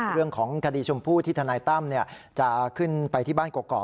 เรื่องของคดีชมพู่ที่ทนายตั้มจะขึ้นไปที่บ้านกรอก